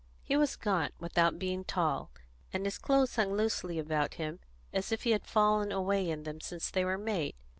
He was gaunt, without being tall, and his clothes hung loosely about him, as if he had fallen away in them since they were made.